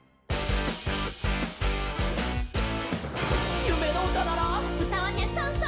「ゆめのうたなら」